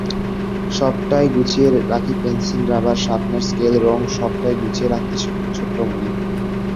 সবটাই গুছিয়ে রাখিপেনসিল, রাবার, শার্পনার, স্কেল, রং—সবটাই গুছিয়ে রাখতে শিখুক ছোট্ট মণি।